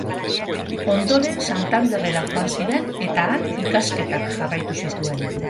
Ondoren, Santanderrera joan ziren eta han ikasketak jarraitu zituen.